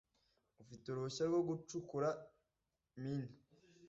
Ufite uruhushya rwo gucukura mine